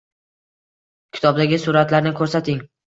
kitobdagi suratlarni ko‘rsating.